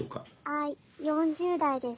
はい４０代です。